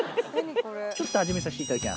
ちょっと味見させていただきます。